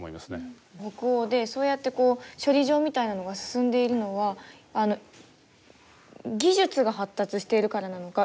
北欧でそうやってこう処理場みたいなのが進んでいるのは技術が発達しているからなのか。